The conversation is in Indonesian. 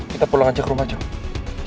kita pulang aja ke rumah coba